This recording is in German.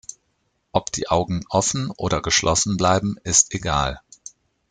Ob die Augen offen oder geschlossen bleiben, ist egal.